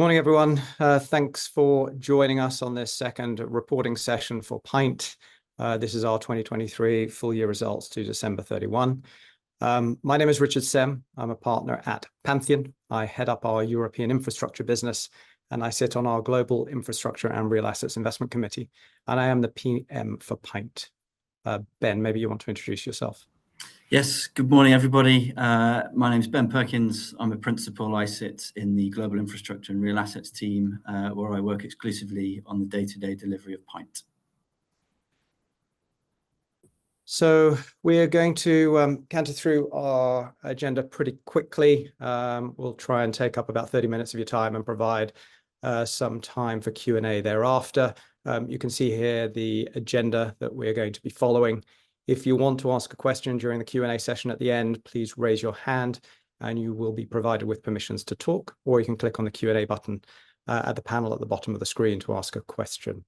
Good morning, everyone. Thanks for joining us on this second reporting session for PINT. This is our 2023 full year results to December 31. My name is Richard Sem. I'm a partner at Pantheon. I head up our European infrastructure business, and I sit on our Global Infrastructure and Real Assets Investment Committee, and I am the PM for PINT. Ben, maybe you want to introduce yourself. Yes. Good morning, everybody. My name's Ben Perkins. I'm a principal. I sit in the Global Infrastructure and Real Assets team, where I work exclusively on the day-to-day delivery of PINT. So we are going to canter through our agenda pretty quickly. We'll try and take up about 30 minutes of your time and provide some time for Q&A thereafter. You can see here the agenda that we're going to be following. If you want to ask a question during the Q&A session at the end, please raise your hand, and you will be provided with permissions to talk, or you can click on the Q&A button at the panel at the bottom of the screen to ask a question.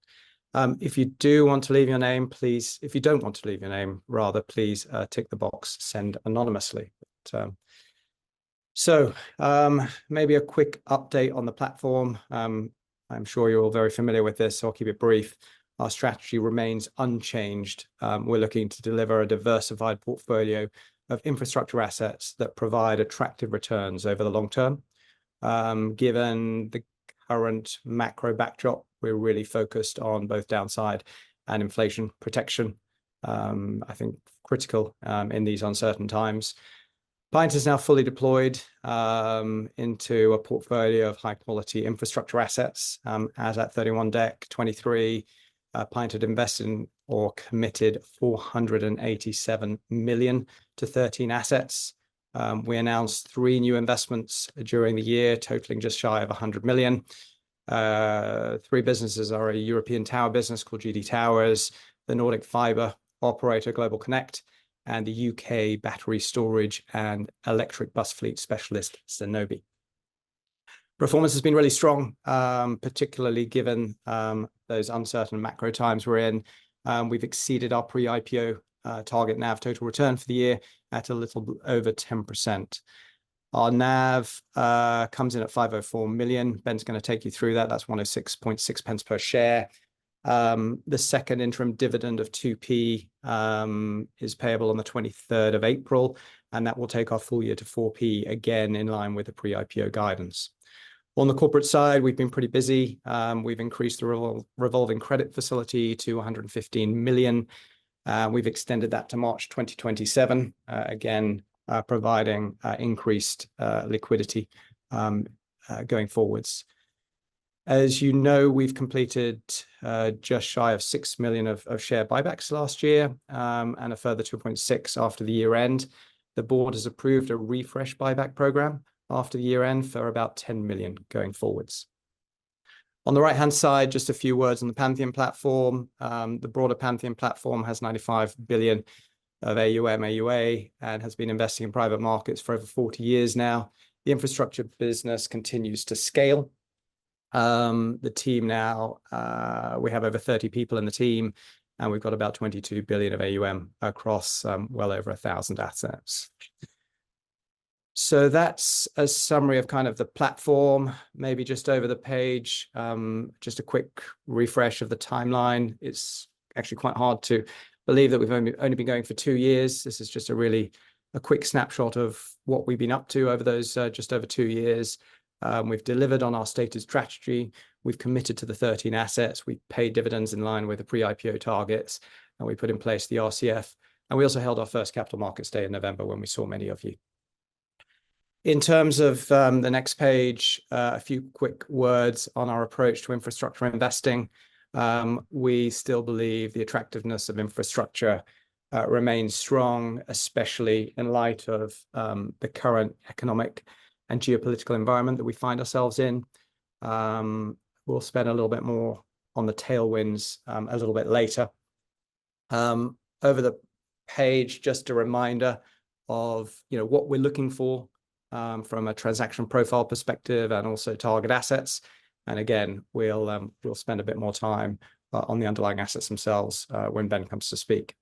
If you do want to leave your name, please. If you don't want to leave your name, rather, please tick the box, Send anonymously. Maybe a quick update on the platform. I'm sure you're all very familiar with this, so I'll keep it brief. Our strategy remains unchanged. We're looking to deliver a diversified portfolio of infrastructure assets that provide attractive returns over the long term. Given the current macro backdrop, we're really focused on both downside and inflation protection. I think critical in these uncertain times. PINT is now fully deployed into a portfolio of high-quality infrastructure assets. As at Dec 31, 2023, PINT had invested or committed 487 million to 13 assets. We announced three new investments during the year, totaling just shy of 100 million. Three businesses are a European tower business called GD Towers, the Nordic fiber operator GlobalConnect, and the U.K. battery storage and electric bus fleet specialist Zenobē. Performance has been really strong, particularly given those uncertain macro times we're in. We've exceeded our pre-IPO target NAV total return for the year at a little over 10%. Our NAV comes in at 504 million. Ben's gonna take you through that. That's 106.6 pence per share. The second interim dividend of 2p is payable on the April 23rd, and that will take our full year to 4p, again, in line with the pre-IPO guidance. On the corporate side, we've been pretty busy. We've increased the revolving credit facility to 115 million. We've extended that to March 2027, again, providing increased liquidity going forwards. As you know, we've completed just shy of 6 million of share buybacks last year, and a further 2.6 million after the year end. The board has approved a refresh buyback program after the year end for about 10 million going forwards. On the right-hand side, just a few words on the Pantheon platform. The broader Pantheon platform has 95 billion of AUM, AUA, and has been investing in private markets for over 40 years now. The infrastructure business continues to scale. The team now. We have over 30 people in the team, and we've got about 22 billion of AUM across, well over 1,000 assets. So that's a summary of kind of the platform, maybe just over the page. Just a quick refresh of the timeline. It's actually quite hard to believe that we've only, only been going for two years. This is just really a quick snapshot of what we've been up to over those, just over two years. We've delivered on our stated strategy. We've committed to the 13 assets. We've paid dividends in line with the pre-IPO targets, and we put in place the RCF, and we also held our first Capital Markets Day in November, when we saw many of you. In terms of the next page, a few quick words on our approach to infrastructure investing. We still believe the attractiveness of infrastructure remains strong, especially in light of the current economic and geopolitical environment that we find ourselves in. We'll spend a little bit more on the tailwinds a little bit later. Over the page, just a reminder of, you know, what we're looking for from a transaction profile perspective and also target assets. And again, we'll spend a bit more time on the underlying assets themselves, when Ben comes to speak.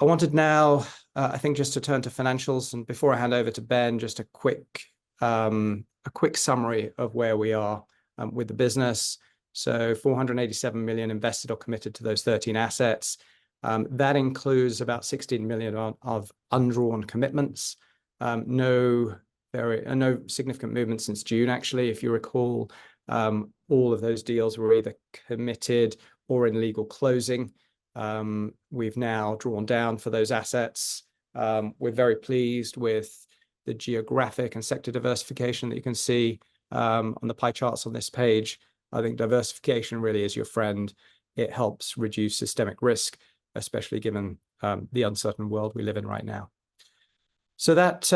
I wanted now, I think, just to turn to financials. And before I hand over to Ben, just a quick summary of where we are, with the business. So 487 million invested or committed to those 13 assets. That includes about 16 million of undrawn commitments. No significant movement since June, actually. If you recall, all of those deals were either committed or in legal closing. We've now drawn down for those assets. We're very pleased with the geographic and sector diversification that you can see, on the pie charts on this page. I think diversification really is your friend. It helps reduce systemic risk, especially given the uncertain world we live in right now. So that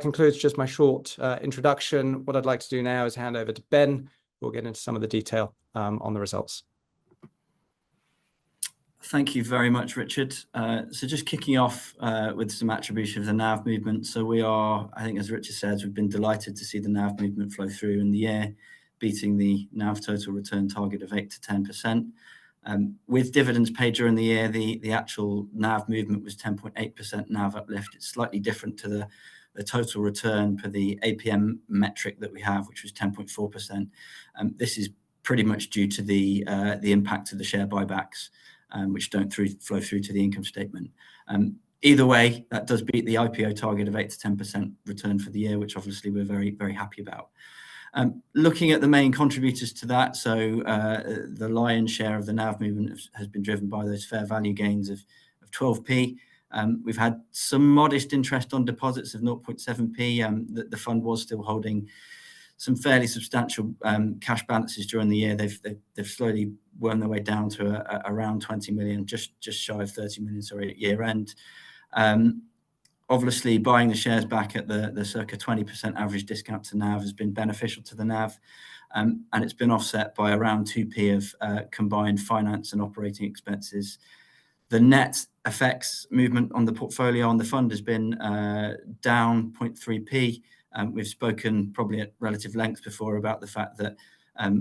concludes just my short introduction. What I'd like to do now is hand over to Ben, who'll get into some of the detail on the results. Thank you very much, Richard. So just kicking off with some attribution of the NAV movement. So we are, I think, as Richard said, we've been delighted to see the NAV movement flow through in the year, beating the NAV total return target of 8%-10%. With dividends paid during the year, the actual NAV movement was 10.8% NAV uplift. It's slightly different to the total return for the APM metric that we have, which was 10.4%. This is pretty much due to the impact of the share buybacks, which don't flow through to the income statement. Either way, that does beat the IPO target of 8%-10% return for the year, which obviously we're very, very happy about. Looking at the main contributors to that, so, the lion's share of the NAV movement has been driven by those fair value gains of 12p. We've had some modest interest on deposits of 0.7p, that the fund was still holding some fairly substantial cash balances during the year. They've slowly worked their way down to around 20 million, just shy of 30 million or at year-end. Obviously, buying the shares back at the circa 20% average discount to NAV has been beneficial to the NAV, and it's been offset by around 2p of combined finance and operating expenses. The net FX movement on the portfolio on the fund has been down 0.3p. We've spoken probably at relative length before about the fact that,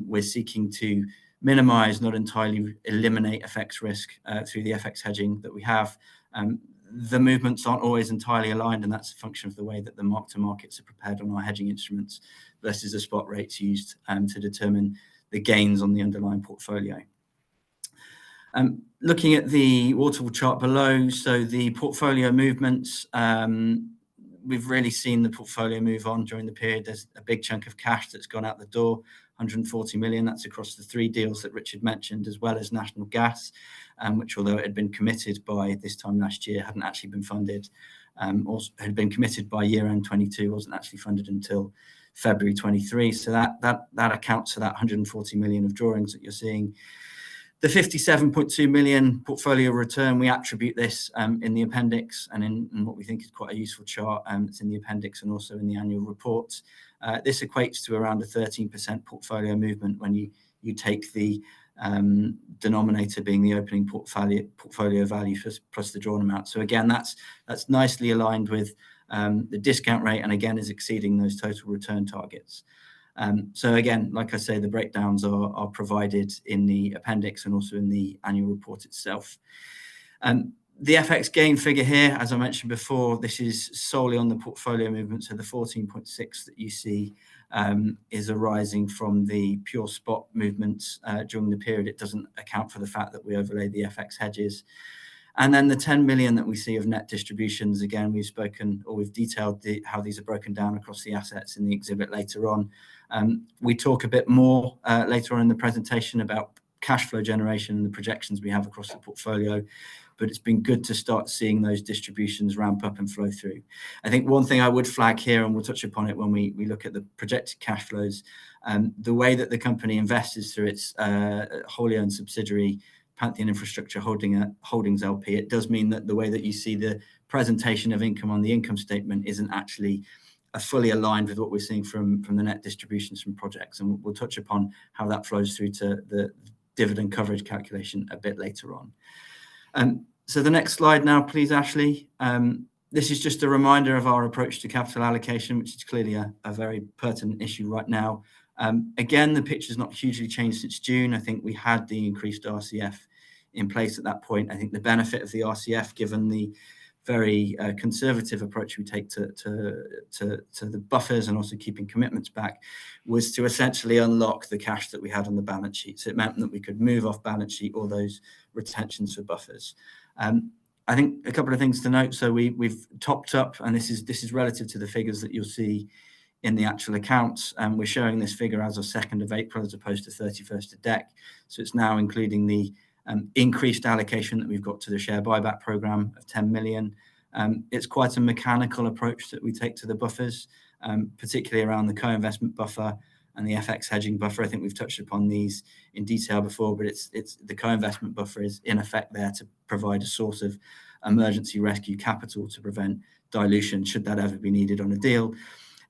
we're seeking to minimize, not entirely eliminate, FX risk, through the FX hedging that we have. The movements aren't always entirely aligned, and that's a function of the way that the mark to markets are prepared on our hedging instruments versus the spot rates used, to determine the gains on the underlying portfolio. Looking at the waterfall chart below, so the portfolio movements, we've really seen the portfolio move on during the period. There's a big chunk of cash that's gone out the door, 140 million. That's across the three deals that Richard mentioned, as well as National Gas, which, although it had been committed by this time last year, hadn't actually been funded, had been committed by year-end 2022, wasn't actually funded until February 2023. So that accounts for that 140 million of drawings that you're seeing. The 57.2 million portfolio return, we attribute this in the appendix and in, and what we think is quite a useful chart, it's in the appendix and also in the annual report. This equates to around a 13% portfolio movement when you take the denominator being the opening portfolio value plus the drawn amount. So again, that's nicely aligned with the discount rate and again, is exceeding those total return targets. So again, like I say, the breakdowns are provided in the appendix and also in the annual report itself. The FX gain figure here, as I mentioned before, this is solely on the portfolio movement, so the 14.6 million that you see is arising from the pure spot movements during the period. It doesn't account for the fact that we overlaid the FX hedges. And then the 10 million that we see of net distributions, again, we've spoken or we've detailed how these are broken down across the assets in the exhibit later on. We talk a bit more later on in the presentation about cash flow generation and the projections we have across the portfolio, but it's been good to start seeing those distributions ramp up and flow through. I think one thing I would flag here, and we'll touch upon it when we look at the projected cash flows, the way that the company invests is through its wholly owned subsidiary, Pantheon Infrastructure Holdings LP. It does mean that the way that you see the presentation of income on the income statement isn't actually fully aligned with what we're seeing from the net distributions from projects. And we'll touch upon how that flows through to the dividend coverage calculation a bit later on. So the next slide now, please, Ashley. This is just a reminder of our approach to capital allocation, which is clearly a very pertinent issue right now. Again, the picture's not hugely changed since June. I think we had the increased RCF in place at that point. I think the benefit of the RCF, given the very conservative approach we take to the buffers and also keeping commitments back, was to essentially unlock the cash that we had on the balance sheet. So it meant that we could move off balance sheet all those retentions for buffers. I think a couple of things to note, so we, we've topped up, and this is relative to the figures that you'll see in the actual accounts, and we're showing this figure as of second of April, as opposed to thirty-first of Dec. So it's now including the increased allocation that we've got to the share buyback program of 10 million. It's quite a mechanical approach that we take to the buffers, particularly around the co-investment buffer and the FX hedging buffer. I think we've touched upon these in detail before, but it's the co-investment buffer is in effect there to provide a sort of emergency rescue capital to prevent dilution, should that ever be needed on a deal.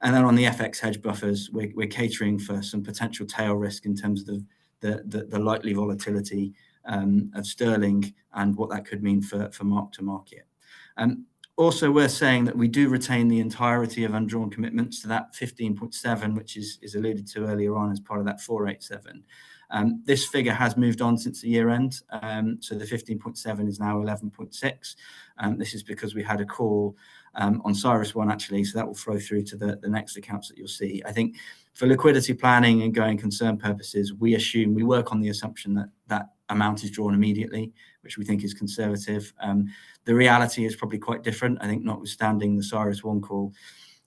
And then on the FX hedge buffers, we're catering for some potential tail risk in terms of the likely volatility of sterling and what that could mean for mark to market. Also, we're saying that we do retain the entirety of undrawn commitments to that 15.7, which is alluded to earlier on as part of that 487. This figure has moved on since the year-end, so the 15.7 is now 11.6. This is because we had a call on CyrusOne, actually, so that will flow through to the next accounts that you'll see. I think for liquidity planning and going concern purposes, we assume we work on the assumption that that amount is drawn immediately, which we think is conservative. The reality is probably quite different. I think notwithstanding the CyrusOne call,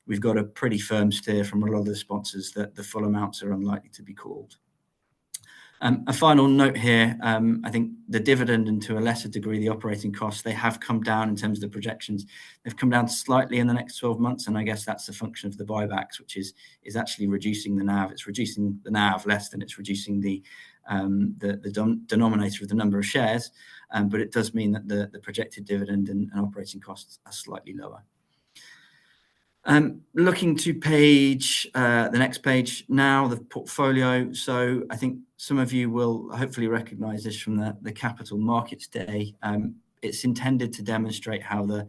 we've got a pretty firm steer from a lot of the sponsors that the full amounts are unlikely to be called. A final note here, I think the dividend, and to a lesser degree, the operating costs, they have come down in terms of the projections. They've come down slightly in the next twelve months, and I guess that's a function of the buybacks, which is actually reducing the NAV. It's reducing the NAV less than it's reducing the denominator of the number of shares, but it does mean that the projected dividend and operating costs are slightly lower. Looking to the next page now, the portfolio. So I think some of you will hopefully recognize this from the capital markets day. It's intended to demonstrate how the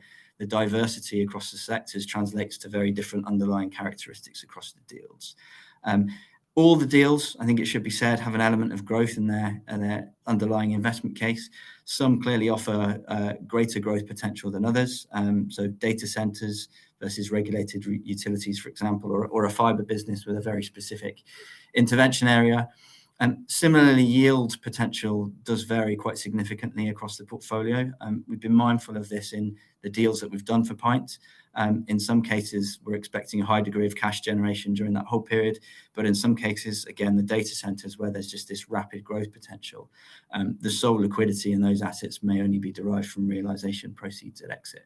diversity across the sectors translates to very different underlying characteristics across the deals. All the deals, I think it should be said, have an element of growth in their underlying investment case. Some clearly offer greater growth potential than others, so data centers versus regulated utilities, for example, or a fiber business with a very specific intervention area. And similarly, yield potential does vary quite significantly across the portfolio, and we've been mindful of this in the deals that we've done for PINT. In some cases, we're expecting a high degree of cash generation during that whole period, but in some cases, again, the data centers, where there's just this rapid growth potential, the sole liquidity in those assets may only be derived from realization proceeds at exit.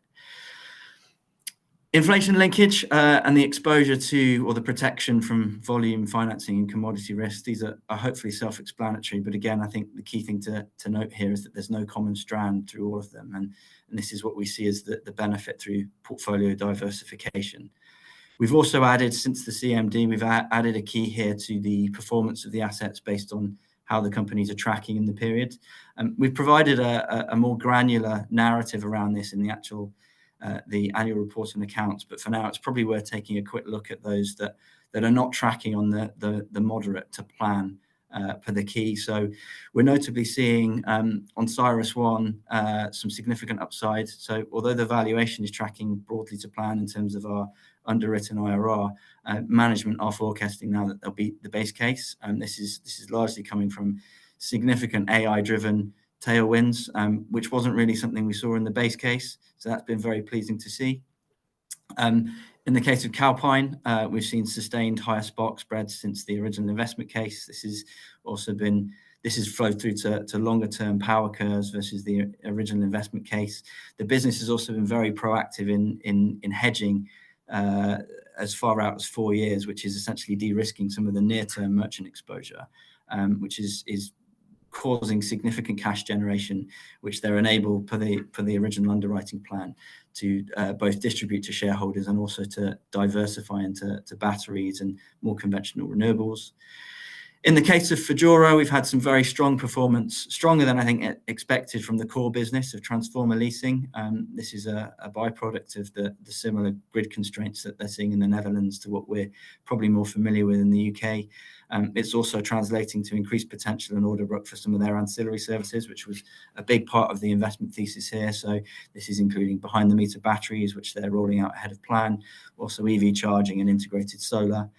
Inflation linkage, and the exposure to, or the protection from volume financing and commodity risk, these are hopefully self-explanatory. But again, I think the key thing to note here is that there's no common strand through all of them, and this is what we see as the benefit through portfolio diversification. We've also added since the CMD, we've added a key here to the performance of the assets based on how the companies are tracking in the period. We've provided a more granular narrative around this in the actual, the annual report and accounts, but for now, it's probably worth taking a quick look at those that are not tracking on the moderate to plan, for the key. So we're notably seeing on CyrusOne some significant upside. So although the valuation is tracking broadly to plan in terms of our underwritten IRR, management are forecasting now that they'll beat the base case. And this is largely coming from significant AI-driven tailwinds, which wasn't really something we saw in the base case. So that's been very pleasing to see. In the case of Calpine, we've seen sustained higher spark spreads since the original investment case. This has also been-this has flowed through to longer-term power curves versus the original investment case. The business has also been very proactive in hedging as far out as four years, which is essentially de-risking some of the near-term merchant exposure, which is causing significant cash generation, which they're enabled per the original underwriting plan to both distribute to shareholders and also to diversify into batteries and more conventional renewables. In the case of Fudura, we've had some very strong performance, stronger than I think expected from the core business of transformer leasing. This is a by-product of the similar grid constraints that they're seeing in the Netherlands to what we're probably more familiar with in the U.K. It's also translating to increased potential in order book for some of their ancillary services, which was a big part of the investment thesis here. So this is including behind the meter batteries, which they're rolling out ahead of plan, also EV charging and integrated solar.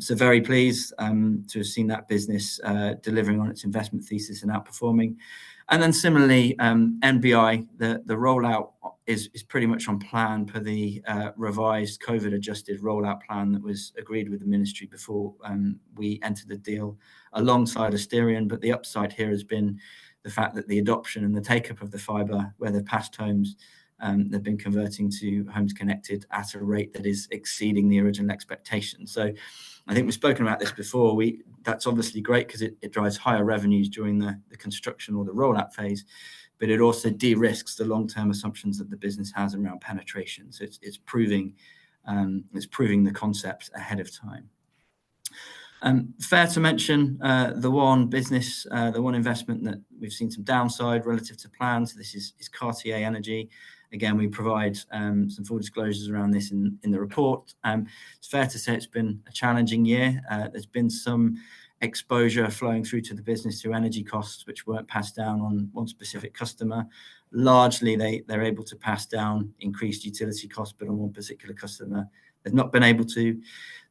So very pleased to have seen that business delivering on its investment thesis and outperforming. And then similarly, NBI, the rollout is pretty much on plan per the revised COVID-adjusted rollout plan that was agreed with the ministry before we entered the deal alongside Asterion. But the upside here has been the fact that the adoption and the take-up of the fiber where they've passed homes, they've been converting to homes connected at a rate that is exceeding the original expectation. So I think we've spoken about this before. That's obviously great 'cause it, it drives higher revenues during the, the construction or the rollout phase, but it also de-risks the long-term assumptions that the business has around penetration. So it's, it's proving, it's proving the concept ahead of time. Fair to mention, the one business, the one investment that we've seen some downside relative to plan, so this is Cordia Energy. Again, we provide some full disclosures around this in the report. It's fair to say it's been a challenging year. There's been some exposure flowing through to the business through energy costs, which weren't passed down on one specific customer. Largely, they're able to pass down increased utility costs, but on one particular customer, they've not been able to.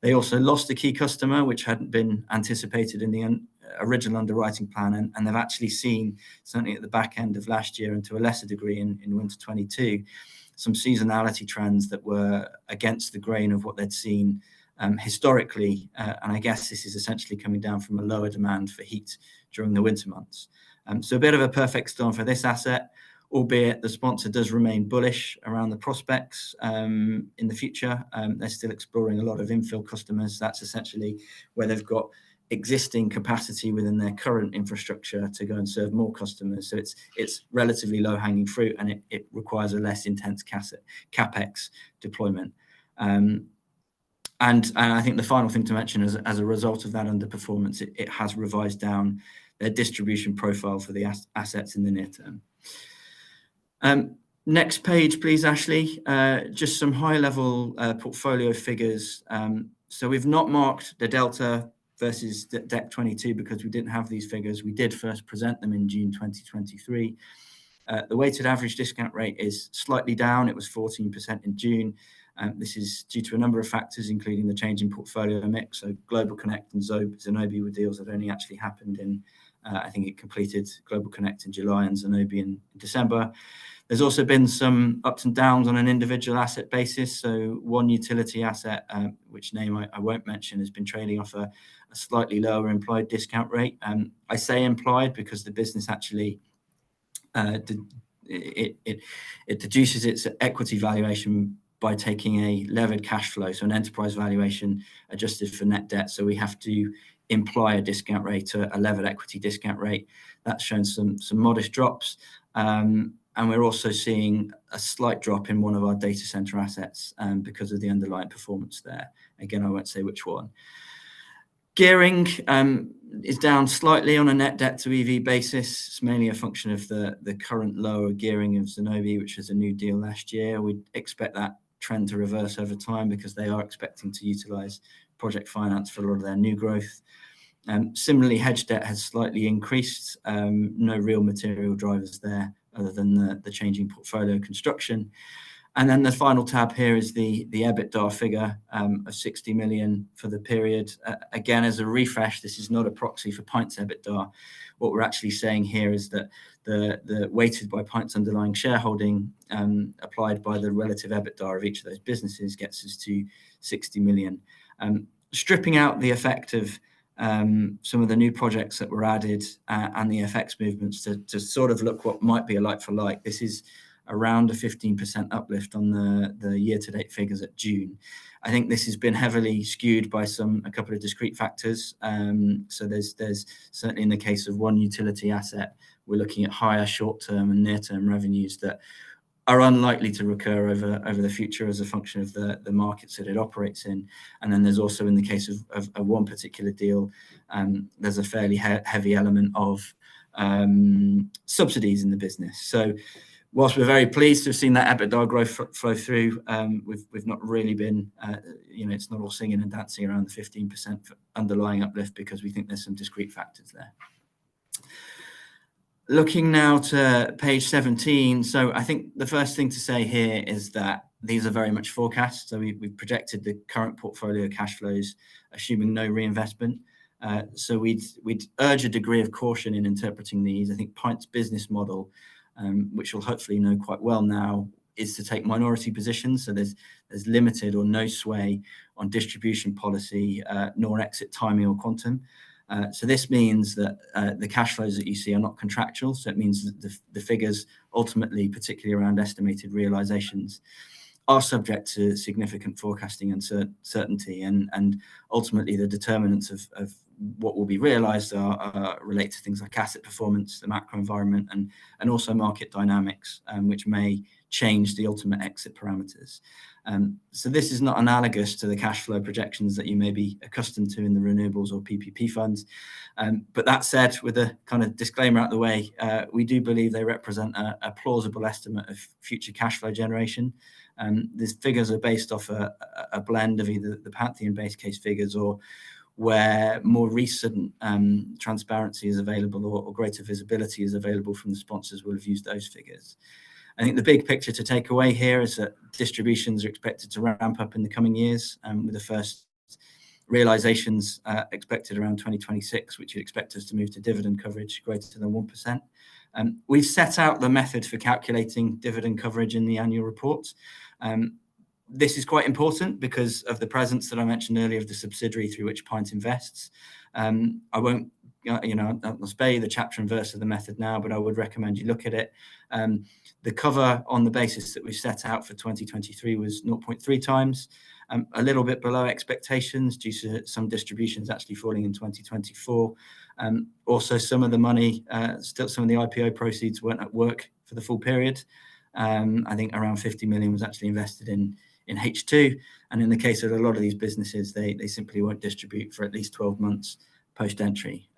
They also lost a key customer, which hadn't been anticipated in the original underwriting plan, and they've actually seen, certainly at the back end of last year, and to a lesser degree in winter 2022, some seasonality trends that were against the grain of what they'd seen historically. I guess this is essentially coming down from a lower demand for heat during the winter months. A bit of a perfect storm for this asset, albeit the sponsor does remain bullish around the prospects in the future. They're still exploring a lot of infill customers. That's essentially where they've got existing capacity within their current infrastructure to go and serve more customers. So it's, it's relatively low-hanging fruit, and it, it requires a less intense capex, CapEx deployment. And I think the final thing to mention is, as a result of that underperformance, it, it has revised down their distribution profile for the assets in the near term. Next page, please, Ashley. Just some high-level portfolio figures. So we've not marked the delta versus the December 2022 because we didn't have these figures. We did first present them in June 2023. The weighted average discount rate is slightly down. It was 14% in June, and this is due to a number of factors, including the change in portfolio mix. GlobalConnect and Zenobē were deals that only actually happened in, I think it completed GlobalConnect in July and Zenobē in December. There's also been some ups and downs on an individual asset basis. One utility asset, which name I won't mention, has been trading off a slightly lower implied discount rate. I say implied because the business actually deduces its equity valuation by taking a levered cash flow, so an enterprise valuation adjusted for net debt. We have to imply a discount rate or a levered equity discount rate. That's shown some modest drops. And we're also seeing a slight drop in one of our data center assets, because of the underlying performance there. Again, I won't say which one. Gearing is down slightly on a net debt to EV basis. It's mainly a function of the current lower gearing of Zenobē, which is a new deal last year. We'd expect that trend to reverse over time because they are expecting to utilize project finance for a lot of their new growth. Similarly, hedge debt has slightly increased. No real material drivers there other than the changing portfolio construction. And then the final tab here is the EBITDA figure of 60 million for the period. Again, as a refresh, this is not a proxy for PINT's EBITDA. What we're actually saying here is that the weighted by PINT's underlying shareholding applied by the relative EBITDA of each of those businesses gets us to 60 million. Stripping out the effect of some of the new projects that were added and the FX movements to sort of look what might be a like for like, this is around a 15% uplift on the year-to-date figures at June. I think this has been heavily skewed by a couple of discrete factors. So there's certainly in the case of one utility asset, we're looking at higher short-term and near-term revenues that are unlikely to recur over the future as a function of the markets that it operates in. And then there's also, in the case of one particular deal, there's a fairly heavy element of subsidies in the business. So while we're very pleased to have seen that EBITDA growth flow through, we've not really been, you know, it's not all singing and dancing around the 15% underlying uplift because we think there's some discrete factors there. Looking now to page 17. So I think the first thing to say here is that these are very much forecasts. So we've projected the current portfolio cash flows, assuming no reinvestment. So we'd urge a degree of caution in interpreting these. I think PINT's business model, which you'll hopefully know quite well now, is to take minority positions, so there's limited or no sway on distribution policy, nor exit timing or quantum. So this means that the cash flows that you see are not contractual. So it means that the figures, ultimately, particularly around estimated realizations, are subject to significant forecasting uncertainty. Ultimately, the determinants of what will be realized are relate to things like asset performance, the macro environment, and also market dynamics, which may change the ultimate exit parameters. So this is not analogous to the cash flow projections that you may be accustomed to in the renewables or PPP funds. But that said, with a kinda disclaimer out the way, we do believe they represent a plausible estimate of future cash flow generation. These figures are based off a blend of either the Pantheon base case figures or where more recent transparency is available or greater visibility is available from the sponsors, we'll have used those figures. I think the big picture to take away here is that distributions are expected to ramp up in the coming years, with the first realizations expected around 2026, which you expect us to move to dividend coverage greater than 1%. We've set out the method for calculating dividend coverage in the annual report. This is quite important because of the presence that I mentioned earlier of the subsidiary through which PINT invests. I won't, you know, I must be the chapter and verse of the method now, but I would recommend you look at it. The cover on the basis that we set out for 2023 was 0.3 times, a little bit below expectations due to some distributions actually falling in 2024. Also, some of the money, still some of the IPO proceeds weren't at work for the full period. I think around 50 million was actually invested in H2, and in the case of a lot of these businesses, they simply won't distribute for at least 12 months post-entry.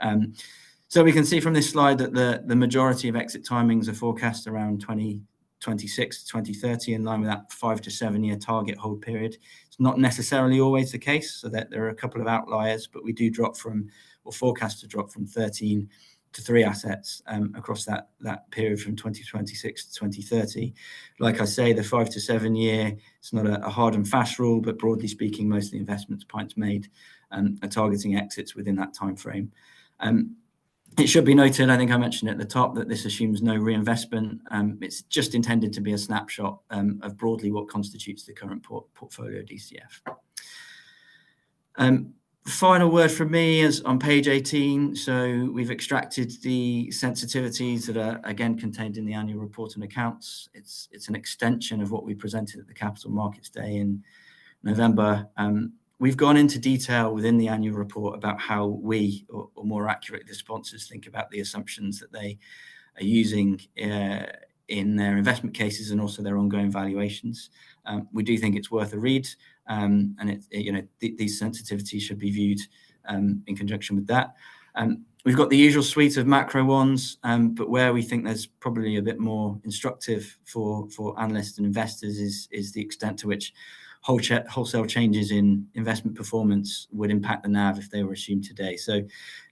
So we can see from this slide that the majority of exit timings are forecast around 2026 to 2030, in line with that five to seven year target hold period. It's not necessarily always the case, so there are a couple of outliers, but we do drop from or forecast to drop from 13 to three assets, across that period from 2026 to 2030. Like I say, the 5 to 7 year, it's not a hard and fast rule, but broadly speaking, most of the investments PINT's made are targeting exits within that time frame. It should be noted, I think I mentioned at the top, that this assumes no reinvestment. It's just intended to be a snapshot of broadly what constitutes the current portfolio DCF. The final word from me is on page 18. So we've extracted the sensitivities that are, again, contained in the annual report and accounts. It's an extension of what we presented at the Capital Markets Day in November. We've gone into detail within the annual report about how we, or more accurately, the sponsors think about the assumptions that they are using in their investment cases and also their ongoing valuations. We do think it's worth a read, and it, you know, these sensitivities should be viewed in conjunction with that. We've got the usual suite of macro ones, but where we think there's probably a bit more instructive for analysts and investors is the extent to which wholesale changes in investment performance would impact the NAV if they were assumed today. So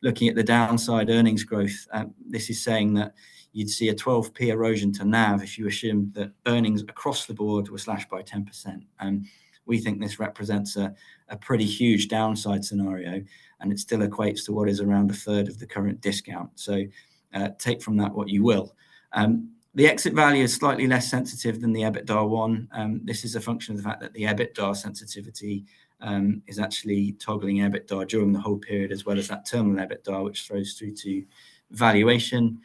looking at the downside earnings growth, this is saying that you'd see a 12% erosion to NAV if you assume that earnings across the board were slashed by 10%. And we think this represents a pretty huge downside scenario, and it still equates to what is around a third of the current discount. So, take from that what you will. The exit value is slightly less sensitive than the EBITDA one. This is a function of the fact that the EBITDA sensitivity is actually toggling EBITDA during the whole period, as well as that terminal EBITDA, which flows through to valuation.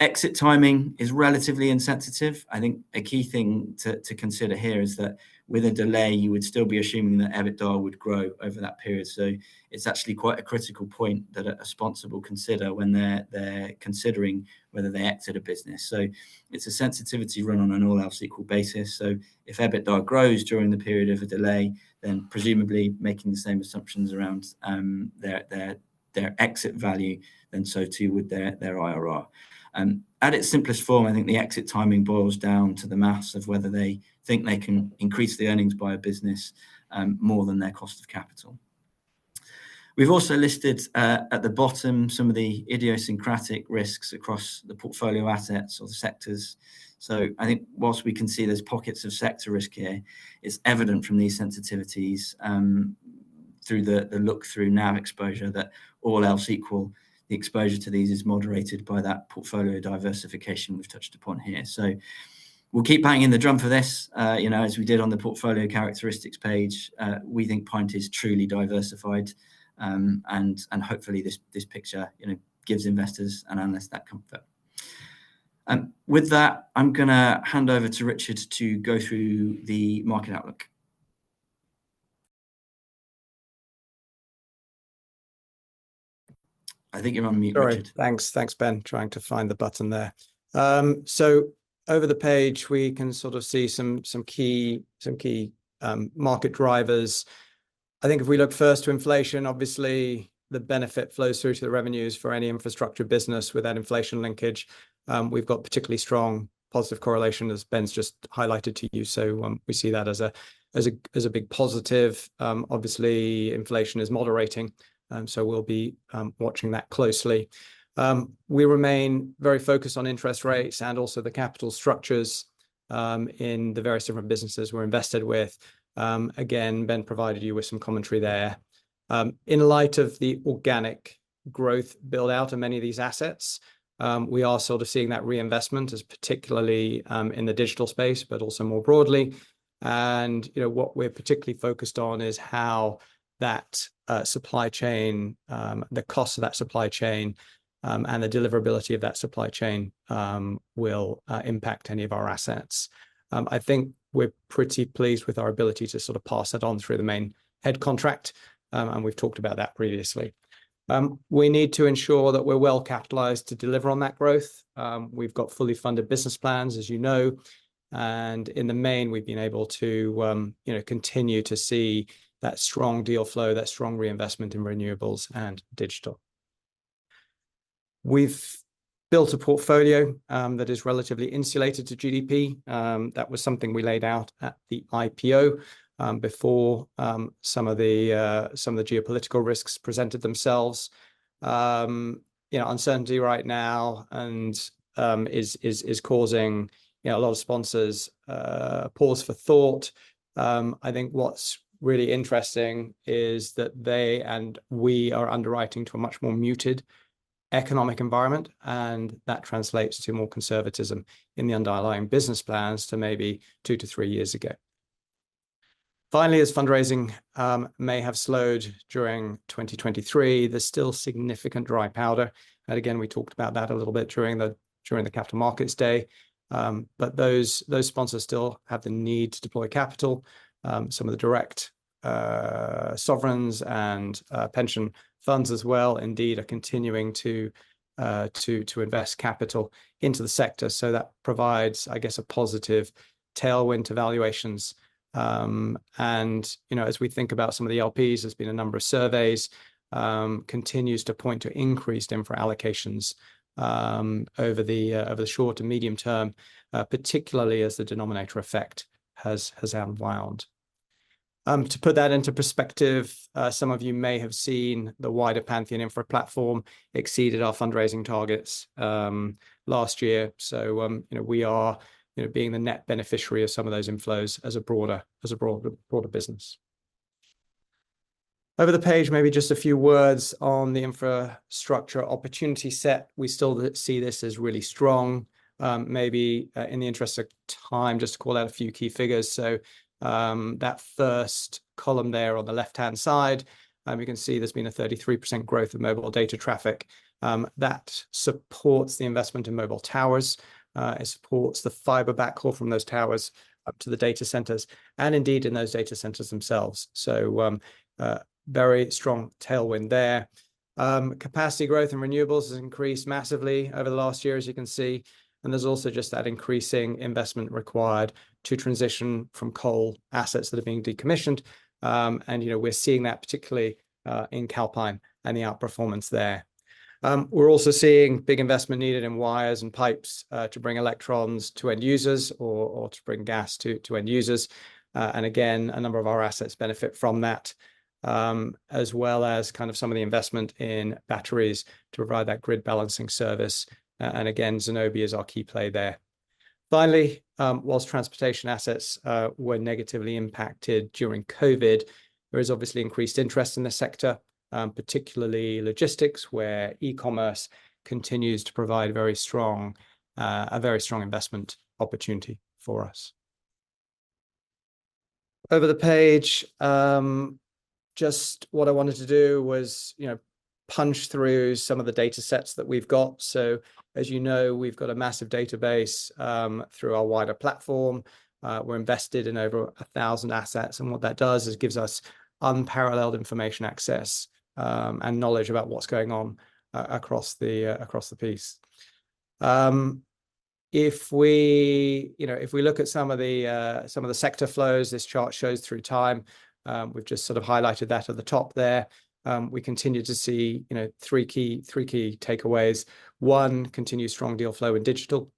Exit timing is relatively insensitive. I think a key thing to consider here is that with a delay, you would still be assuming that EBITDA would grow over that period. So it's actually quite a critical point that a sponsor will consider when they're considering whether they exit a business. So it's a sensitivity run on an all else equal basis. So if EBITDA grows during the period of a delay, then presumably making the same assumptions around their exit value, then so too would their IRR. At its simplest form, I think the exit timing boils down to the math of whether they think they can increase the earnings by a business more than their cost of capital. We've also listed at the bottom some of the idiosyncratic risks across the portfolio assets or the sectors. So I think while we can see there's pockets of sector risk here, it's evident from these sensitivities through the look-through NAV exposure, that all else equal, the exposure to these is moderated by that portfolio diversification we've touched upon here. So we'll keep banging the drum for this, you know, as we did on the portfolio characteristics page. We think PINT is truly diversified, and hopefully, this picture, you know, gives investors and analysts that comfort. With that, I'm gonna hand over to Richard to go through the market outlook. I think you're on mute, Richard. Sorry. Thanks. Thanks, Ben. Trying to find the button there. So over the page, we can sort of see some key market drivers. I think if we look first to inflation, obviously, the benefit flows through to the revenues for any infrastructure business with that inflation linkage. We've got particularly strong positive correlation, as Ben's just highlighted to you, so we see that as a big positive. Obviously, inflation is moderating, so we'll be watching that closely. We remain very focused on interest rates and also the capital structures in the various different businesses we're invested with. Again, Ben provided you with some commentary there. In light of the organic growth build-out of many of these assets, we are sort of seeing that reinvestment as particularly in the digital space, but also more broadly. And, you know, what we're particularly focused on is how that supply chain, the cost of that supply chain, and the deliverability of that supply chain will impact any of our assets. I think we're pretty pleased with our ability to sort of pass that on through the main head contract, and we've talked about that previously. We need to ensure that we're well-capitalized to deliver on that growth. We've got fully funded business plans, as you know, and in the main, we've been able to, you know, continue to see that strong deal flow, that strong reinvestment in renewables and digital. We've built a portfolio that is relatively insulated to GDP. That was something we laid out at the IPO, before some of the geopolitical risks presented themselves. You know, uncertainty right now and is causing, you know, a lot of sponsors pause for thought. I think what's really interesting is that they and we are underwriting to a much more muted economic environment, and that translates to more conservatism in the underlying business plans to maybe two to three years ago. Finally, as fundraising may have slowed during 2023, there's still significant dry powder, and again, we talked about that a little bit during the Capital Markets Day. But those sponsors still have the need to deploy capital. Some of the direct sovereigns and pension funds as well, indeed, are continuing to invest capital into the sector. So that provides, I guess, a positive tailwind to valuations. And, you know, as we think about some of the LPs, there's been a number of surveys, continues to point to increased infra allocations, over the short and medium term, particularly as the denominator effect has unwound. To put that into perspective, some of you may have seen the wider Pantheon Infra platform exceeded our fundraising targets, last year. So, you know, we are, you know, being the net beneficiary of some of those inflows as a broader business. Over the page, maybe just a few words on the infrastructure opportunity set. We still do see this as really strong. Maybe, in the interest of time, just to call out a few key figures. So, that first column there on the left-hand side, you can see there's been a 33% growth of mobile data traffic. That supports the investment in mobile towers, it supports the fiber backhaul from those towers up to the data centers and indeed in those data centers themselves, so, a very strong tailwind there. Capacity growth in renewables has increased massively over the last year, as you can see, and there's also just that increasing investment required to transition from coal assets that are being decommissioned. And, you know, we're seeing that particularly in Calpine and the outperformance there. We're also seeing big investment needed in wires and pipes to bring electrons to end users or to bring gas to end users. And again, a number of our assets benefit from that, as well as kind of some of the investment in batteries to provide that grid balancing service. And again, Zenobē is our key play there. Finally, while transportation assets were negatively impacted during COVID, there is obviously increased interest in the sector, particularly logistics, where e-commerce continues to provide very strong, a very strong investment opportunity for us. Over the page, just what I wanted to do was, you know, punch through some of the datasets that we've got. So, as you know, we've got a massive database through our wider platform. We're invested in over 1,000 assets, and what that does is gives us unparalleled information access, and knowledge about what's going on across the, across the piece. If we, you know, if we look at some of the, some of the sector flows, this chart shows through time, we've just sort of highlighted that at the top there. We continue to see, you know, three key, three key takeaways. One, continued strong deal flow in digital.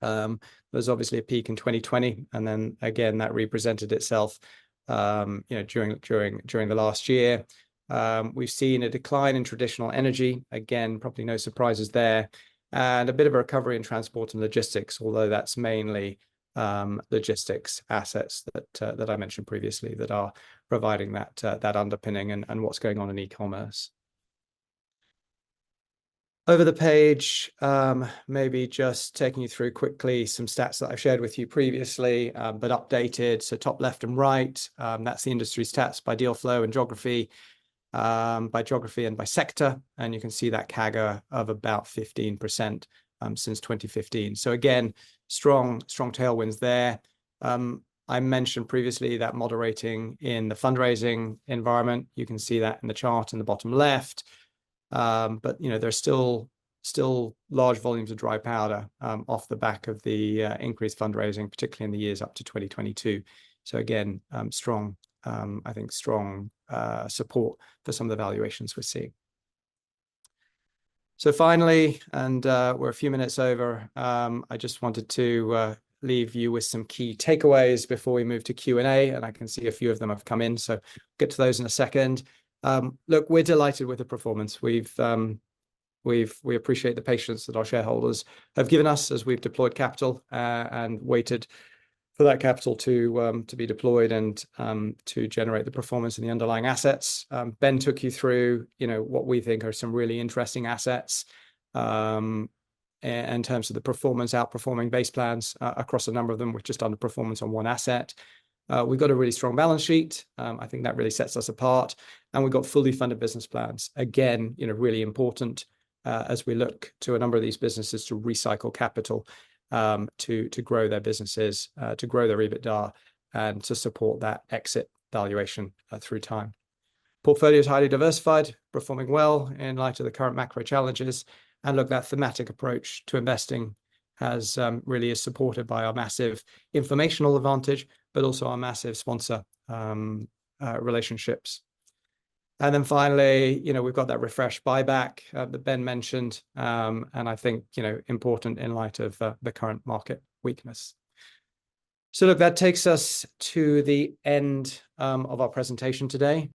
There was obviously a peak in 2020, and then again, that represented itself, you know, during, during, during the last year. We've seen a decline in traditional energy, again, probably no surprises there, and a bit of a recovery in transport and logistics, although that's mainly logistics assets that I mentioned previously, that are providing that underpinning and what's going on in e-commerce. Over the page, maybe just taking you through quickly some stats that I shared with you previously, but updated. So top left and right, that's the industry stats by deal flow and geography, by geography and by sector, and you can see that CAGR of about 15%, since 2015. So again, strong, strong tailwinds there. I mentioned previously that moderating in the fundraising environment, you can see that in the chart in the bottom left. But, you know, there are still, still large volumes of dry powder, off the back of the increased fundraising, particularly in the years up to 2022. So again, strong, I think strong, support for some of the valuations we're seeing. So finally, and, we're a few minutes over, I just wanted to leave you with some key takeaways before we move to Q&A, and I can see a few of them have come in, so get to those in a second. Look, we're delighted with the performance. We appreciate the patience that our shareholders have given us as we've deployed capital, and waited for that capital to be deployed, and to generate the performance in the underlying assets. Ben took you through, you know, what we think are some really interesting assets, in terms of the performance, outperforming base plans across a number of them, with just underperformance on one asset. We've got a really strong balance sheet, I think that really sets us apart, and we've got fully funded business plans. Again, you know, really important, as we look to a number of these businesses to recycle capital, to grow their businesses, to grow their EBITDA, and to support that exit valuation, through time. Portfolio is highly diversified, performing well in light of the current macro challenges, and look, that thematic approach to investing has really is supported by our massive informational advantage, but also our massive sponsor relationships. Then finally, you know, we've got that refresh buyback that Ben mentioned, and I think, you know, important in light of the current market weakness. Look, that takes us to the end of our presentation today.